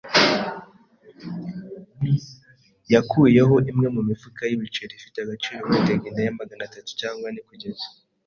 yakuyeho imwe mu mifuka y'ibiceri, ifite agaciro wenda gineya magana atatu cyangwa ane, kugeza